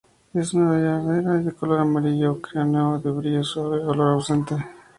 Es una madera de color amarillo ocráceo, de brillo suave, olor ausente.